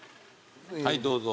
はいどうぞ。